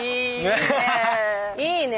いいね。